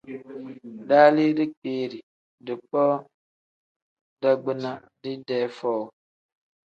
Daalii dikpiiri, dikpoo dagbina didee foo.